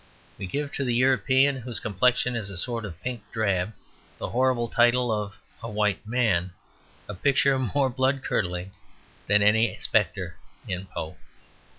We give to the European, whose complexion is a sort of pink drab, the horrible title of a "white man" a picture more blood curdling than any spectre in Poe.